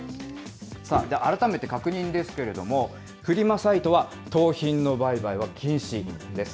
さあ、改めて確認ですけれども、フリマサイトは、盗品の売買は禁止です。